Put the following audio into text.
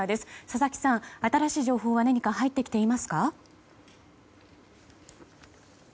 佐々木さん、新しい情報は何か入ってきていますか？